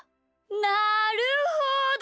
なるほど！